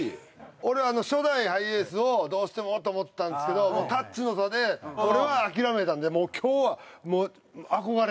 俺初代ハイエースをどうしてもと思ったんですけどもうタッチの差で俺は諦めたんで今日はもう憧れ。